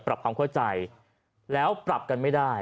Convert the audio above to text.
ปรับความเข้าใจแล้วปรับกันไม่ได้